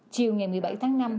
chiều ngày một mươi bảy tháng năm